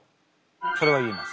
それは言えます。